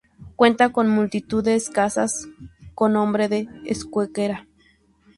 Cuenta con multitud de casas con nombre en euskera.